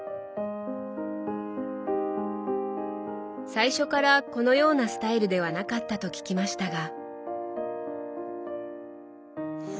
最初からこのようなスタイルではなかったと聞きましたが。